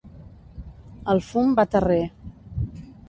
El fum va terrer.